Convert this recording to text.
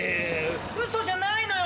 ウソじゃないのよ！